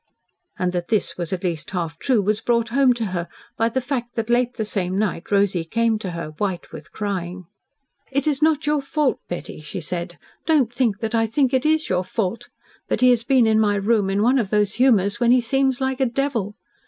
And that this was at least half true was brought home to her by the fact that late the same night Rosy came to her white with crying. "It is not your fault, Betty," she said. "Don't think that I think it is your fault, but he has been in my room in one of those humours when he seems like a devil.